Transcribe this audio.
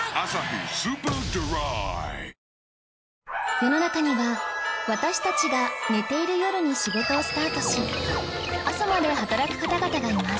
世の中には私たちが寝ている夜に仕事をスタートし朝まで働く方々がいます